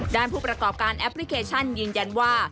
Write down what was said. ผู้ประกอบการแอปพลิเคชันยืนยันว่า